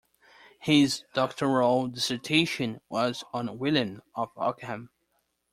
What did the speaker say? His doctoral dissertation was on William of Ockham.